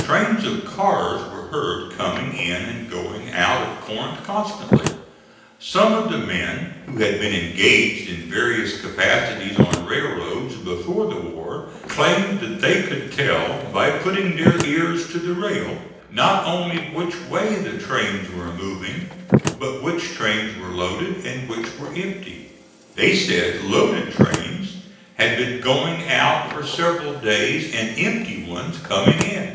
Trains of cars were heard coming in and going out of Corinth constantly. Some of the men who had been engaged in various capacities on railroads before the war claimed that they could tell, by putting their ears to the rail, not only which way the trains were moving but which trains were loaded and which were empty. They said loaded trains had been going out for several days and empty ones coming in.